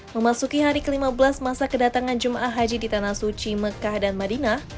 memasuki hari ke lima belas masa kedatangan jemaah haji di tanah suci mekah dan madinah